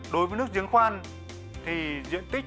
đối với nước giếng khoan thì diện tích